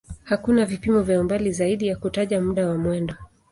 Hakuna vipimo vya umbali zaidi ya kutaja muda wa mwendo.